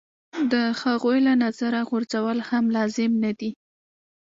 د هغوی له نظره غورځول هم لازم نه دي.